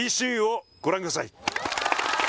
「ＤＣＵをご覧ください！」